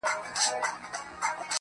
ملنگ خو دي وڅنگ ته پرېږده_